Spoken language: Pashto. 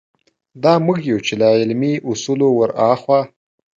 دا موږ یو چې له علمي اصولو وراخوا.